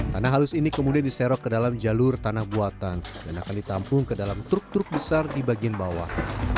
tanah halus ini kemudian diserok ke dalam jalur tanah buatan dan akan ditampung ke dalam truk truk besar di bagian bawah